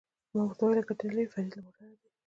ما ورته وویل: ګټه نه لري، فرید له موټره دې.